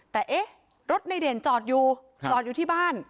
แต่เอ๊ะรถในเด่นจอดอยู่จอดอยู่ที่บ้าน